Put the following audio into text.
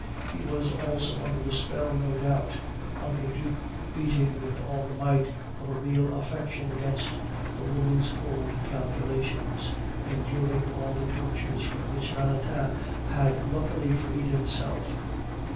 He was also under the spell no doubt, another dupe beating with all the might of a real affection against the woman's cold calculations, enduring all the tortures from which Valentin had luckily freed himself.